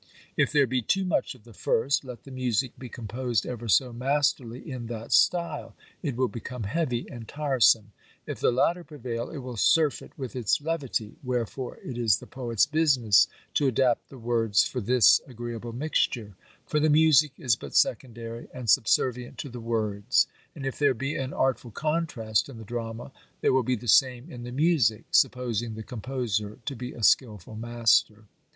If there be too much of the first, let the music be composed ever so masterly in that style, it will become heavy and tiresome; if the latter prevail, it will surfeit with its levity: wherefore it is the poet's business to adapt the words for this agreeable mixture: for the music is but secondary, and subservient to the words; and if there be an artful contrast in the drama, there will be the same in the music, supposing the composer to be a skilful master.